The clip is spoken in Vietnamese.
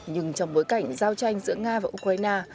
nhưng trong bối cảnh giao tranh giữa nga và ukraine